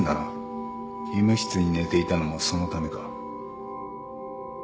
医務室に寝ていたのもそのためか？